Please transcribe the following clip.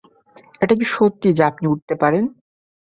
এটা কি সত্য যে আপনি উড়তে পারতেন?